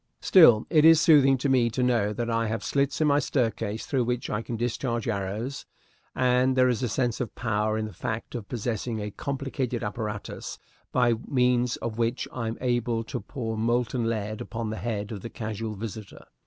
Still, it is soothing to me to know that I have slits in my staircase through which I can discharge arrows; and there is a sense of power in the fact of possessing a complicated apparatus by means of which I am enabled to pour molten lead upon the head of the casual visitor.